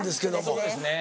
そうですね。